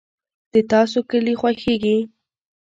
د تاسو کلي خوښیږي؟